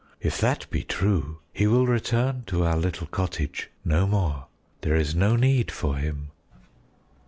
If that be true, he will return to our little cottage no more; there is no need for him."